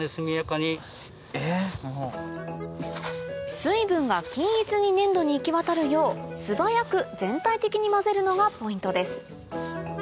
水分が均一に粘土に行き渡るよう素早く全体的に混ぜるのがポイントです